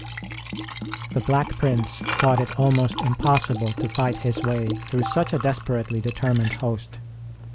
The Black Prince thought it almost impossible to fight his way through such a desperately determined host.